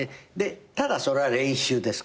ただそれは練習ですから。